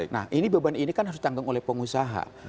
nah ini beban ini kan harus ditanggung oleh pengusaha